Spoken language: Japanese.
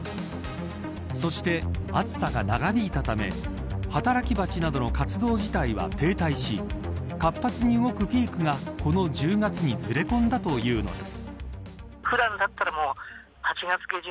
そして、暑さが長引いたため働きバチなどの活動自体は停滞し活発に動くピークがこの１０月にずれ込んだというのです。